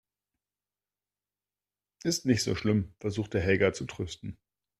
Ist nicht so schlimm, versucht Helga zu trösten.